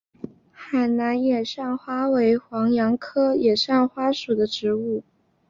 海南野扇花为黄杨科野扇花属的植物。